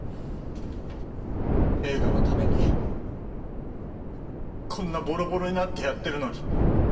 映画のためにこんなボロボロになってやってるのに。